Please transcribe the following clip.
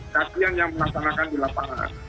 kasihan yang menasanakan di lapangan